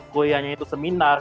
kuliahnya itu seminar